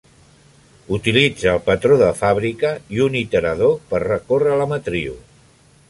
Utilitza el patró de fàbrica i un iterador per recórrer la matriu.